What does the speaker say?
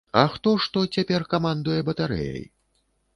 А хто ж то цяпер камандуе батарэяй?